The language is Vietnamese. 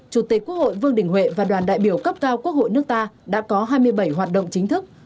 chủ tịch quốc hội vương đình huệ và đoàn đại biểu cấp cao quốc hội nước ta đã có hai mươi bảy hoạt động chính thức